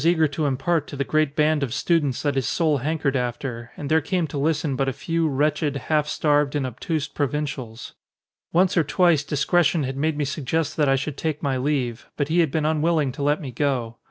eager to impart to the great band of students that his soul hankered after, and there came to listen but a few, wretched, half starved, and obtuse pro vincials. Once or twice discretion had made me suggest that I should take my leave, but he had been un willing to let me go.